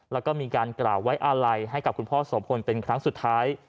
แล้วก็มีการกล่าวไว้อาลัยให้กับคุณพ่อโสพลเป็นครั้งสุดท้าย